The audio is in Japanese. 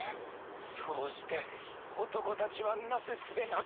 そうして男たちはなすすべなく。